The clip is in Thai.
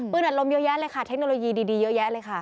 อัดลมเยอะแยะเลยค่ะเทคโนโลยีดีเยอะแยะเลยค่ะ